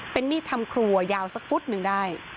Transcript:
เป็นมีดทำครัวยาวสักฟุตหนึ่งได้